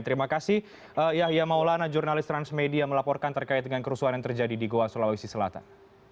terima kasih yahya maulana jurnalis transmedia melaporkan terkait dengan kerusuhan yang terjadi di goa sulawesi selatan